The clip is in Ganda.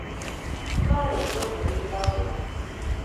Twala eri obulimba bwo.